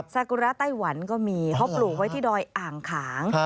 สากุระไต้หวันก็มีเขาปลูกไว้ที่ดอยอ่างขาง